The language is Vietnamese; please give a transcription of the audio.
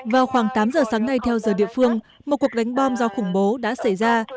vào khoảng tám giờ sáng nay theo giờ địa phương một cuộc đánh bom do khủng bố đã xảy ra